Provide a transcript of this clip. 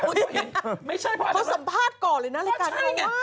อุ๊ยเขาสัมภาษณ์ก่อนเลยนะรายการคนน้องมา